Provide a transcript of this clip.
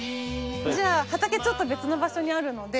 じゃあ畑ちょっと別の場所にあるので。